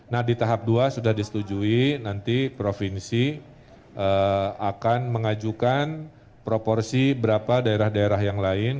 nah di tahap dua sudah disetujui nanti provinsi akan mengajukan proporsi berapa daerah daerah yang lain